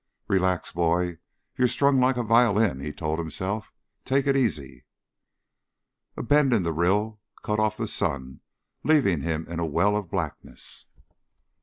Relax, boy, you're strung like a violin, he told himself. Take it easy. A bend in the rill cut off the sun leaving him in a well of blackness.